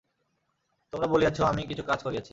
তোমরা বলিয়াছ, আমি কিছু কাজ করিয়াছি।